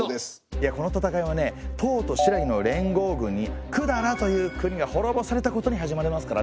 いやこの戦いはね唐と新羅の連合軍に百済という国がほろぼされたことに始まりますからね。